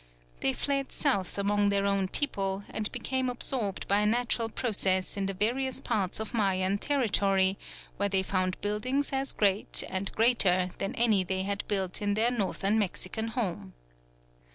They fled south among their own people, and became absorbed by a natural process in the various parts of Mayan territory, where they found buildings as great and greater than any they had built in their northern Mexican home.